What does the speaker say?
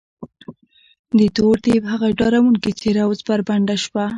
د تور دیب هغه ډارونکې څېره اوس بربنډه شوه.